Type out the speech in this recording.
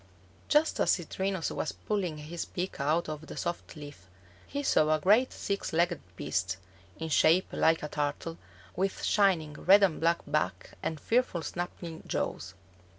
Just as Citrinus was pulling his beak out of the soft leaf, he saw a great six legged beast, in shape like a turtle, with shining red and black back and fearful snapping jaws.